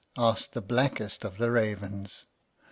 asked the blackest of the ravens.